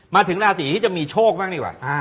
มาถึงราศีที่จะมีโชคบ้างดีกว่า